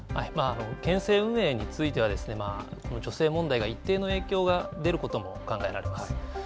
県政運営については女性問題が一定の影響が出ることも考えられます。